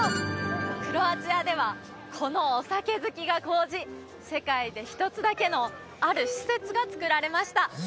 クロアチアではこのお酒好きが高じ世界で一つだけのある施設が造られました